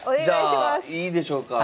じゃあいいでしょうか？